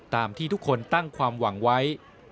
ตามที่ทุกคนตั้งความหวังไว้